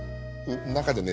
中でね